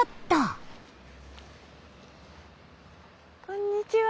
こんにちは。